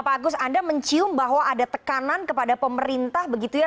pak agus anda mencium bahwa ada tekanan kepada pemerintah begitu ya